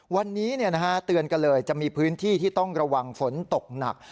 วันนี้เตือนกันเลยจะมีพื้นที่ที่ต้องระวังฝนตกหนัก